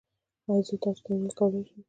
ایا زه تاسو ته ایمیل کولی شم؟